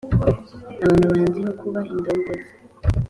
abantu banziho kuba indongozi